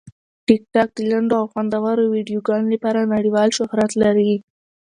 ټیکټاک د لنډو او خوندورو ویډیوګانو لپاره نړیوال شهرت لري.